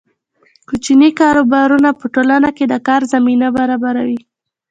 کوچني کاروبارونه په ټولنه کې د کار زمینه برابروي.